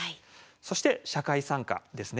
そして社会参加ですね。